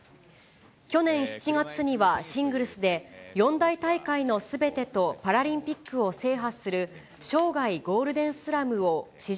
去年７月にはシングルスで、四大大会のすべてとパラリンピックを制覇する、生涯ゴールデンスラムを史上